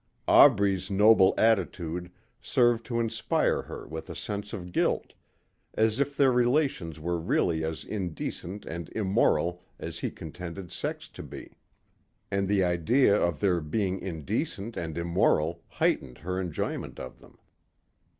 Aubrey's noble attitude served to inspire her with a sense of guilt, as if their relations were really as indecent and immoral as he contended sex to be. And the idea of their being indecent and immoral heightened her enjoyment of them.